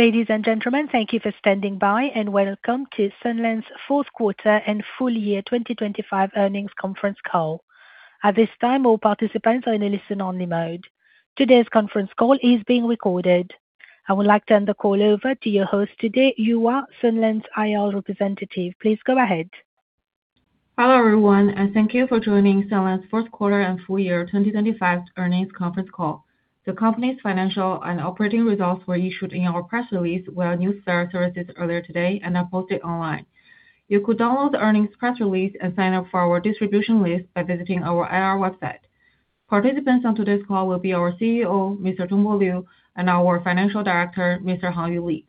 Ladies and gentlemen, thank you for standing by, and welcome to Sunlands' fourth quarter and full year 2025 earnings conference call. At this time, all participants are in a listen-only mode. Today's conference call is being recorded. I would like to hand the call over to your host today, Yuhua, Sunlands' IR representative. Please go ahead. Hello, everyone, and thank you for joining Sunlands' fourth quarter and full year 2025 earnings conference call. The company's financial and operating results were issued in our press release via Newswire services earlier today and are posted online. You could download the earnings press release and sign up for our distribution list by visiting our IR website. Participants on today's call will be our CEO, Mr. Tongbo Liu, and our Financial Director, Mr. Hangyu Li.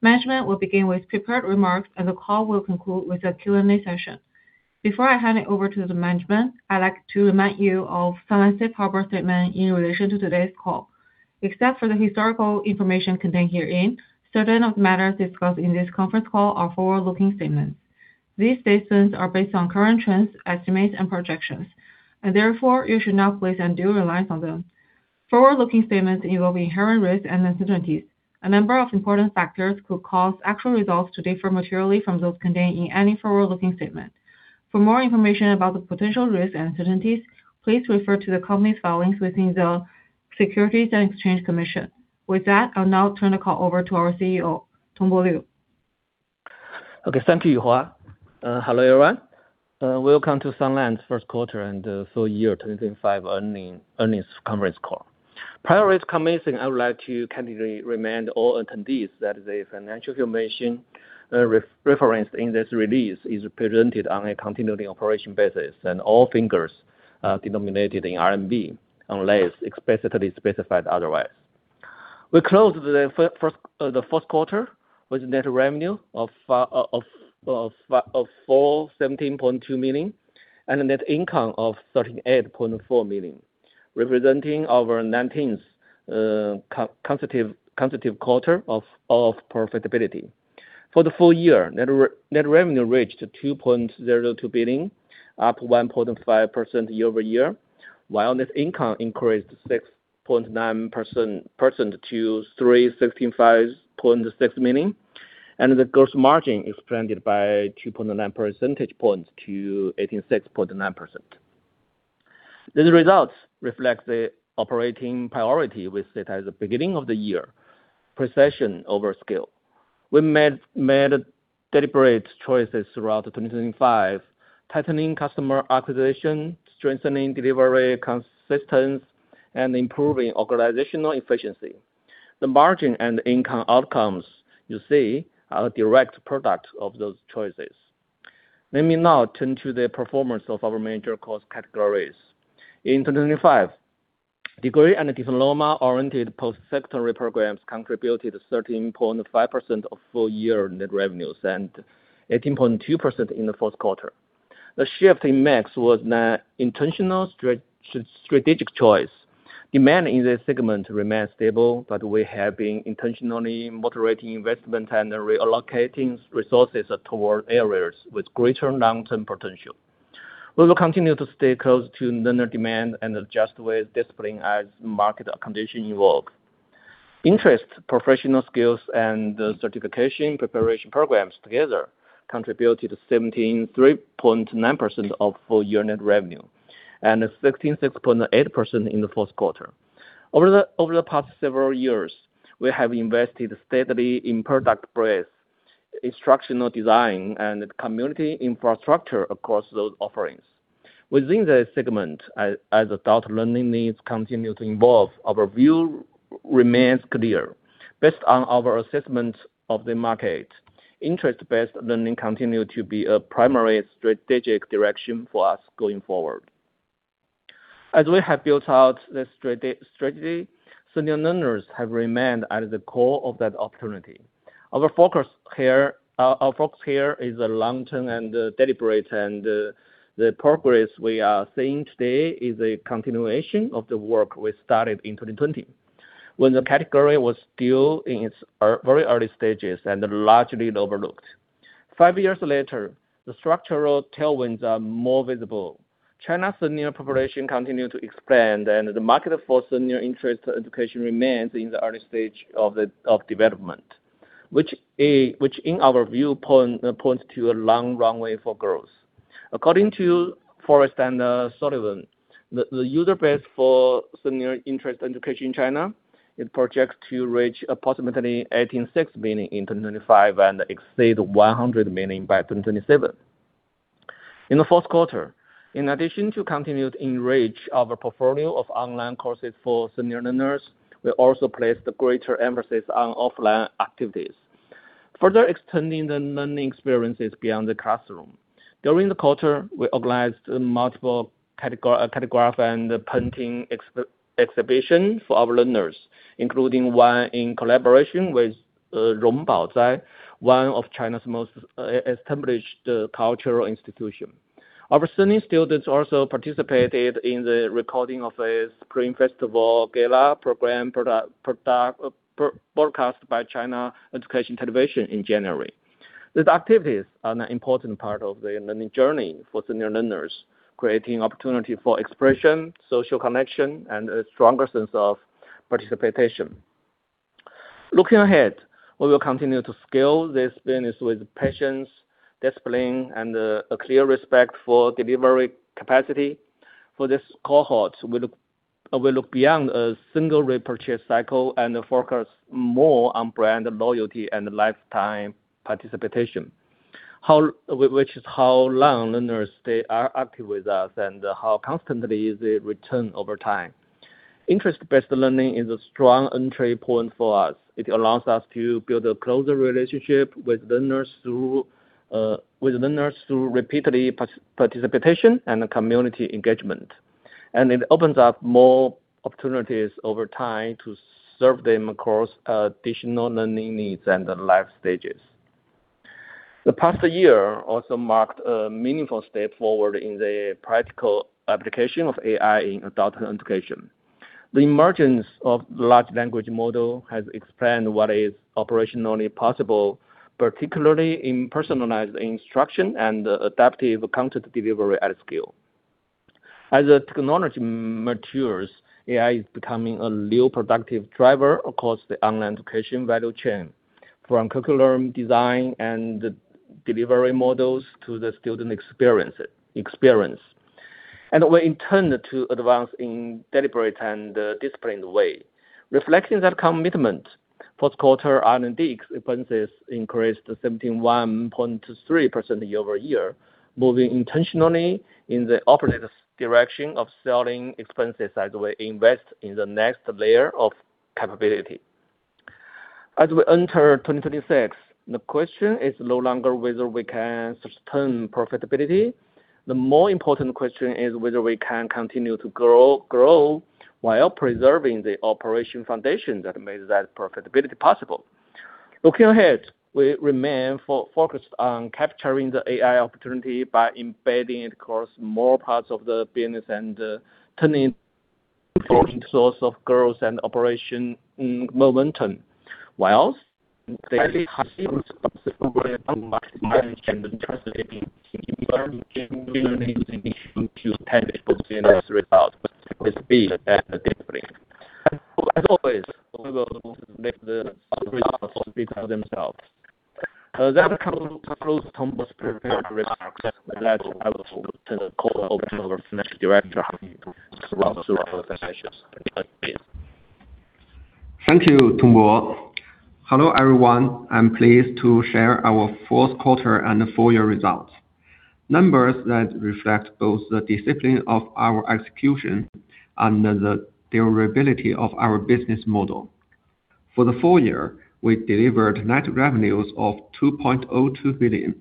Management will begin with prepared remarks and the call will conclude with a Q&A session. Before I hand it over to the management, I'd like to remind you of Sunlands' safe harbor statement in relation to today's call. Except for the historical information contained herein, certain of matters discussed in this conference call are forward-looking statements. These statements are based on current trends, estimates, and projections, and therefore you should not place undue reliance on them. Forward-looking statements involve inherent risks and uncertainties. A number of important factors could cause actual results to differ materially from those contained in any forward-looking statement. For more information about the potential risks and uncertainties, please refer to the company's filings with the Securities and Exchange Commission. With that, I'll now turn the call over to our CEO, Tongbo Liu. Okay. Thank you, Yuhua. Hello, everyone. Welcome to Sunlands' first quarter and full year 2025 earnings conference call. Prior to commencing, I would like to kindly remind all attendees that the financial information referenced in this release is presented on a continuing operation basis and all figures denominated in RMB, unless explicitly specified otherwise. We closed the first quarter with net revenue of 417.2 million and a net income of 38.4 million, representing our nineteenth consecutive quarter of profitability. For the full year, net revenue reached 2.02 billion, up 1.5% year-over-year, while net income increased 6.9% to 365.6 million, and the gross margin expanded by 2.9 percentage points to 86.9%. These results reflect the operating priority we set at the beginning of the year, precision over skill. We made deliberate choices throughout 2025, tightening customer acquisition, strengthening delivery consistency, and improving organizational efficiency. The margin and income outcomes you see are a direct product of those choices. Let me now turn to the performance of our major cost categories. In 2025, degree- and diploma-oriented post-secondary programs contributed 13.5% of full year net revenues and 18.2% in the fourth quarter. The shift in mix was not intentional strategic choice. Demand in this segment remained stable, but we have been intentionally moderating investment and reallocating resources toward areas with greater long-term potential. We will continue to stay close to learner demand and adjust with discipline as market conditions evolve. Interest, professional skills, and certification preparation programs together contributed to 73.9% of full year net revenue and 66.8% in the fourth quarter. Over the past several years, we have invested steadily in product breadth, instructional design, and community infrastructure across those offerings. Within this segment, as adult learning needs continue to evolve, our view remains clear. Based on our assessment of the market, interest-based learning continue to be a primary strategic direction for us going forward. As we have built out this strategy, senior learners have remained at the core of that opportunity. Our focus here is the long-term and deliberate, and the progress we are seeing today is a continuation of the work we started in 2020, when the category was still in its very early stages and largely overlooked. Five years later, the structural tailwinds are more visible. China's senior population continue to expand and the market for senior interest education remains in the early stage of development, which in our viewpoint points to a long runway for growth. According to Frost & Sullivan, the user base for senior interest education in China projects to reach approximately 86 million in 2025 and exceed 100 million by 2027. In the fourth quarter, in addition to continued enrichment of a portfolio of online courses for senior learners, we also placed a greater emphasis on offline activities, further extending the learning experiences beyond the classroom. During the quarter, we organized multiple calligraphy and painting exhibitions for our learners, including one in collaboration with Rongbaozhai, one of China's most established cultural institution. Our senior students also participated in the recording of a Spring Festival Gala program broadcast by China Education Television in January. These activities are an important part of the learning journey for senior learners, creating opportunity for expression, social connection, and a stronger sense of participation. Looking ahead, we will continue to scale this business with patience, discipline, and a clear respect for delivery capacity. For this cohort, we look beyond a single repurchase cycle and focus more on brand loyalty and lifetime participation. Which is how long learners they are active with us and how constantly they return over time. Interest-based learning is a strong entry point for us. It allows us to build a closer relationship with learners through repeated participation and community engagement. It opens up more opportunities over time to serve them across additional learning needs and life stages. The past year also marked a meaningful step forward in the practical application of AI in adult education. The emergence of large language model has expanded what is operationally possible, particularly in personalized instruction and adaptive content delivery at scale. As the technology matures, AI is becoming a real productive driver across the online education value chain, from curriculum design and delivery models to the student experience, and we're intend to advance in deliberate and disciplined way. Reflecting that commitment, fourth quarter R&D expenses increased 71.3% year-over-year, moving intentionally in the opposite direction of selling expenses as we invest in the next layer of capability. As we enter 2026, the question is no longer whether we can sustain profitability. The more important question is whether we can continue to grow while preserving the operational foundation that made that profitability possible. Looking ahead, we remain focused on capturing the AI opportunity by embedding it across more parts of the business and turning it into a source of growth and operational momentum. While they have similar scope for improvement, management trust that we can continue to generate significant Q10 FY results with speed and discipline. As always, we will let the results speak for themselves. That concludes Tongbo's prepared remarks. With that, I will turn the call over to our Financial Director, Hangyu, to walk through our financials. Hangyu. Thank you, Tongbo. Hello, everyone. I'm pleased to share our fourth quarter and full year results. Numbers that reflect both the discipline of our execution and the durability of our business model. For the full year, we delivered net revenues of 2.02 billion,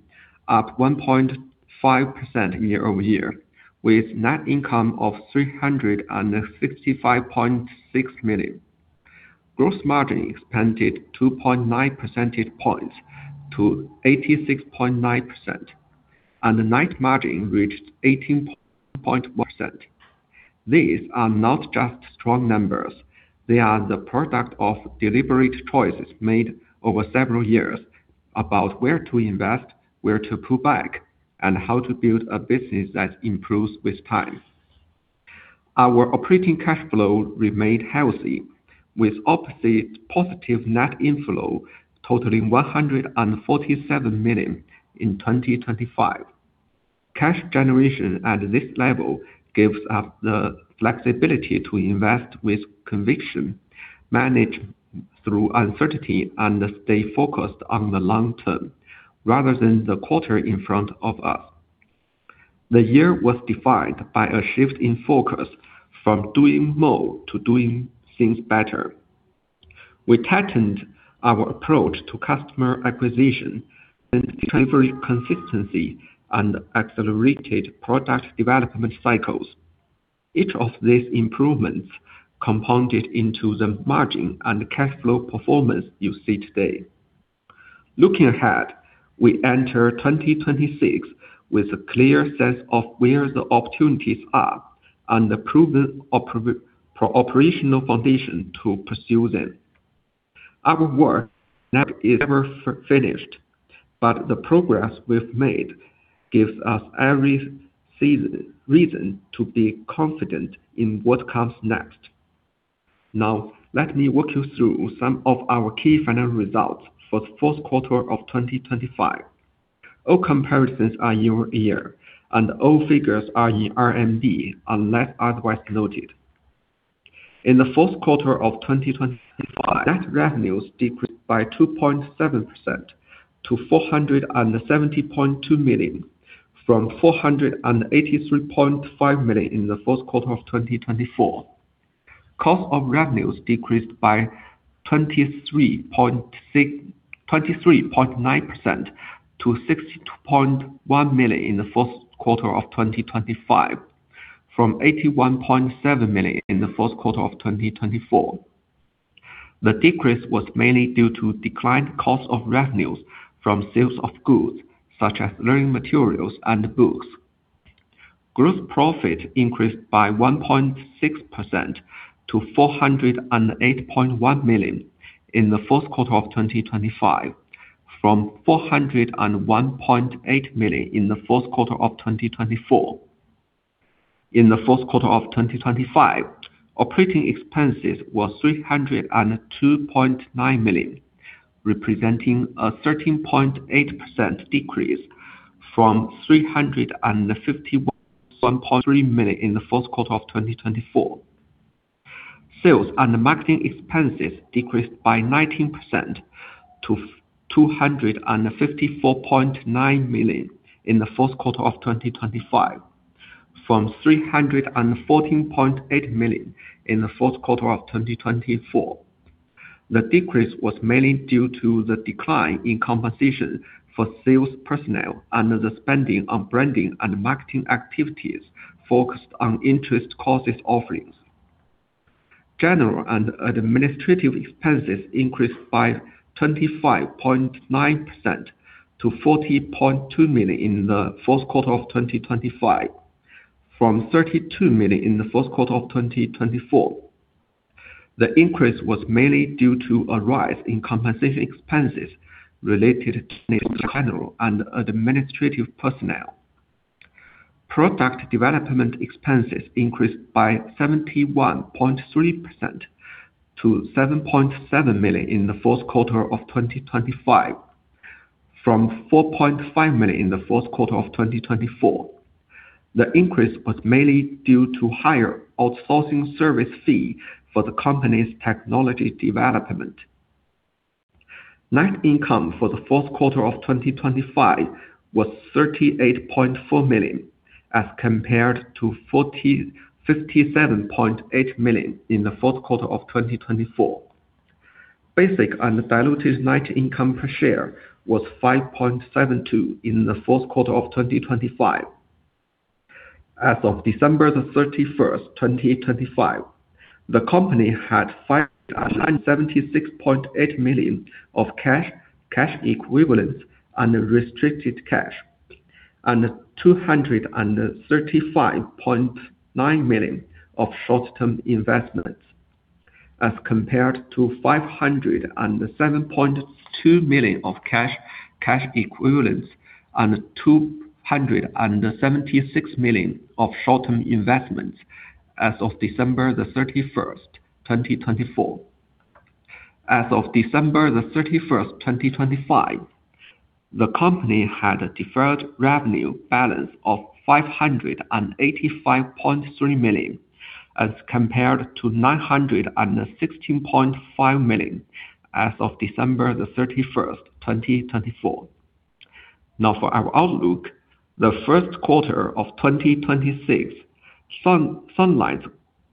up 1.5% year-over-year, with net income of 355.6 million. Gross margin expanded 2.9 percentage points to 86.9%, and net margin reached 18.1%. These are not just strong numbers, they are the product of deliberate choices made over several years about where to invest, where to pull back, and how to build a business that improves with time. Our operating cash flow remained healthy, with operating positive net inflow totaling 147 million in 2025. Cash generation at this level gives us the flexibility to invest with conviction, manage through uncertainty, and stay focused on the long term rather than the quarter in front of us. The year was defined by a shift in focus from doing more to doing things better. We tightened our approach to customer acquisition and delivered consistency and accelerated product development cycles. Each of these improvements compounded into the margin and cash flow performance you see today. Looking ahead, we enter 2026 with a clear sense of where the opportunities are and the proven operational foundation to pursue them. Our work never is ever finished, but the progress we've made gives us every reason to be confident in what comes next. Now, let me walk you through some of our key financial results for the fourth quarter of 2025. All comparisons are year-over-year, and all figures are in RMB unless otherwise noted. In the fourth quarter of 2025, net revenues decreased by 2.7% to 470.2 million, from 483.5 million in the fourth quarter of 2024. Cost of revenues decreased by 23.9% to 62.1 million in the fourth quarter of 2025, from 81.7 million in the fourth quarter of 2024. The decrease was mainly due to decline in cost of revenues from sales of goods such as learning materials and books. Gross profit increased by 1.6% to 408.1 million in the fourth quarter of 2025 from 401.8 million in the fourth quarter of 2024. In the fourth quarter of 2025, operating expenses was 302.9 million, representing a 13.8% decrease from 351.3 million in the fourth quarter of 2024. Sales and marketing expenses decreased by 19% to two hundred and fifty-four point nine million in the fourth quarter of 2025 from three hundred and fourteen point eight million in the fourth quarter of 2024. The decrease was mainly due to the decline in compensation for sales personnel and the spending on branding and marketing activities focused on interest courses offerings. General and administrative expenses increased by 25.9% to 40.2 million in the fourth quarter of 2025 from 32 million in the fourth quarter of 2024. The increase was mainly due to a rise in compensation expenses related to general and administrative personnel. Product development expenses increased by 71.3% to 7.7 million in the fourth quarter of 2025 from 4.5 million in the fourth quarter of 2024. The increase was mainly due to higher outsourcing service fee for the company's technology development. Net income for the fourth quarter of 2025 was 38.4 million, as compared to 47.8 million in the fourth quarter of 2024. Basic and diluted net income per share was 5.72 in the fourth quarter of 2025. As of December 31, 2025 the company had 576.8 million of cash equivalents, and restricted cash, and 235.9 million of short-term investments as compared to 507.2 million of cash equivalents, and 276 million of short-term investments as of December 31, 2024. As of December 31, 2025 the company had a deferred revenue balance of 585.3 million, as compared to 916.5 million as of December 31, 2024. Now for our outlook, the first quarter of 2026, Sunlands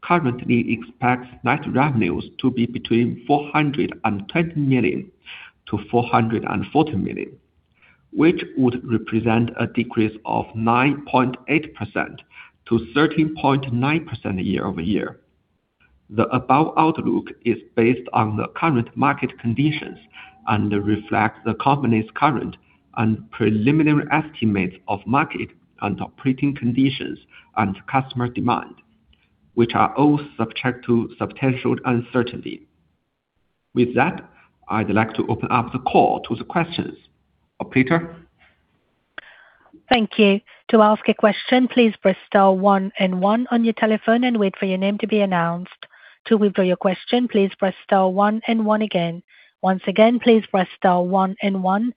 currently expects net revenues to be between 420 million-440 million, which would represent a decrease of 9.8%-13.9% year-over-year. The above outlook is based on the current market conditions and reflects the company's current and preliminary estimates of market and operating conditions and customer demand, which are all subject to substantial uncertainty. With that, I'd like to open up the call to the questions. Peter? Thank you. To ask a question, please press star one and one on your telephone and wait for your name to be announced. To withdraw your question, please press star one and one again. Once again, please press star one and one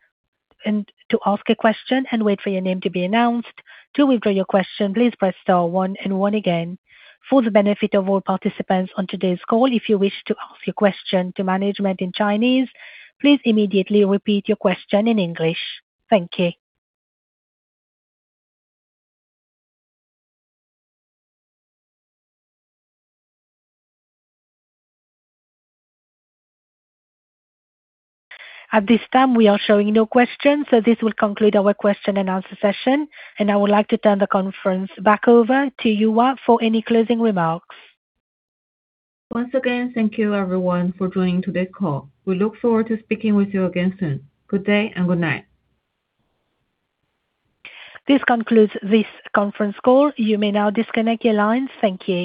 and to ask a question and wait for your name to be announced. To withdraw your question, please press star one and one again. For the benefit of all participants on today's call, if you wish to ask your question to management in Chinese, please immediately repeat your question in English. Thank you. At this time, we are showing no questions, so this will conclude our question and answer session, and I would like to turn the conference back over to Yuhua for any closing remarks. Once again, thank you everyone for joining today's call. We look forward to speaking with you again soon. Good day and good night. This concludes this conference call. You may now disconnect your lines. Thank you.